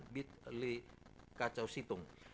bit lee kacau situng